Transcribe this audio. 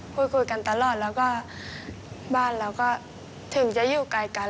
พูดคุยกันตลอดแล้วก็บ้านเราก็ถึงจะอยู่ไกลกัน